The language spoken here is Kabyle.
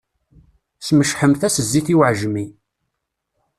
Smecḥemt-as zzit i uεejmi.